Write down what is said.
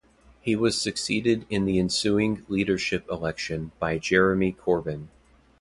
He was succeeded in the ensuing leadership election by Jeremy Corbyn.